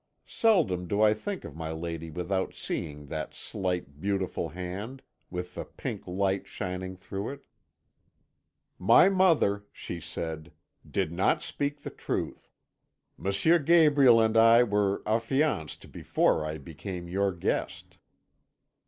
Seldom do I think of my lady without seeing that slight, beautiful hand, with the pink light shining through it. "'My mother,' she said, 'did not speak the truth. M. Gabriel and I were affianced before I became your guest.'